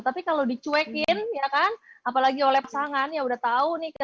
tapi kalau dicuekin ya kan apalagi oleh pasangan ya udah tau nih